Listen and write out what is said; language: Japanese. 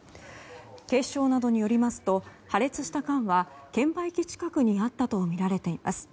警視庁などによりますと破裂した缶は券売機近くにあったとみられています。